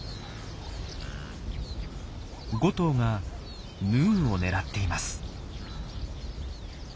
５頭がヌーを狙っています。